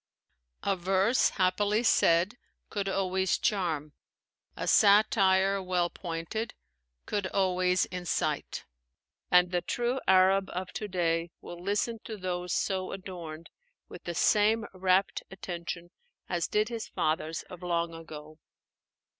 A verse happily said could always charm, a satire well pointed could always incite; and the true Arab of to day will listen to those so adorned with the same rapt attention as did his fathers of long ago.